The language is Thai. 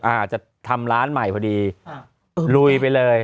อาจจะทำร้านใหม่พอดีลุยไปเลย